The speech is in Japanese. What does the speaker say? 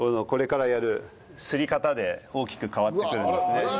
これからやるすり方で大きく変わってくるんですね。